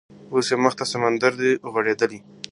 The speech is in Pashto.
• اوس یې مخ ته سمندر دی غوړېدلی -